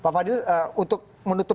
pak fadil untuk menutup